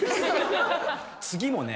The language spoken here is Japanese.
次もね